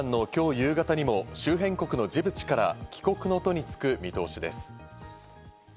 夕方にも周辺国のジブチから帰国の途に就く見通しです。